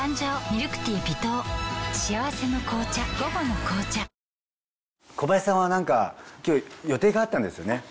なぜか小林さんはなんか今日予定があったんですよね？